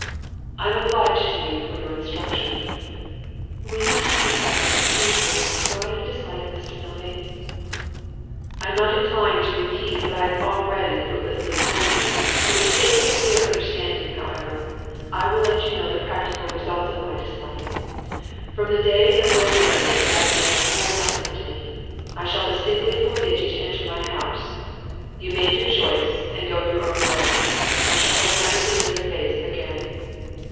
'I am obliged to you for your instruction.' 'Will you tell me, father, in plain words, why you dislike Mr Milvain?' 'I am not inclined to repeat what I have already fruitlessly told you. For the sake of a clear understanding, however, I will let you know the practical result of my dislike. From the day of your marriage with that man you are nothing to me. I shall distinctly forbid you to enter my house. You make your choice, and go your own way. I shall hope never to see your face again.